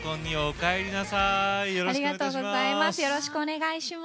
ありがとうございます。